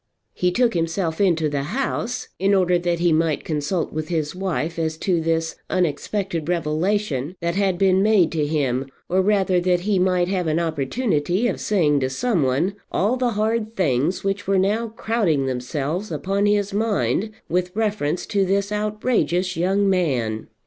He took himself into the house in order that he might consult with his wife as to this unexpected revelation that had been made to him; or rather that he might have an opportunity of saying to some one all the hard things which were now crowding themselves upon his mind with reference to this outrageous young man.